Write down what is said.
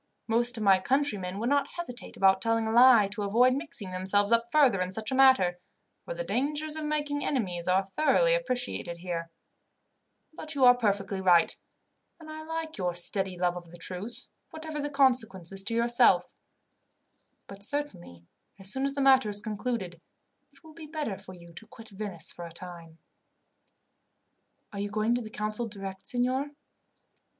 Most of my countrymen would not hesitate about telling a lie, to avoid mixing themselves up further in such a matter, for the dangers of making enemies are thoroughly appreciated here; but you are perfectly right, and I like your steady love of the truth, whatever the consequences to yourself; but certainly as soon as the matter is concluded, it will be better for you to quit Venice for a time." "Are you going to the council direct, signor?"